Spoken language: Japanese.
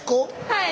はい。